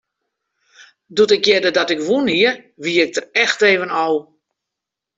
Doe't ik hearde dat ik wûn hie, wie ik der echt even ôf.